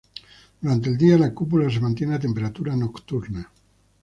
Durante el día, la cúpula se mantiene a temperatura nocturna.